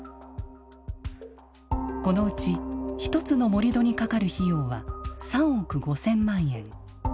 このうち１つの盛土にかかる費用は３億５０００万円。